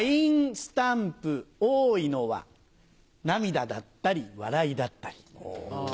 スタンプ多いのは涙だったり笑いだったり。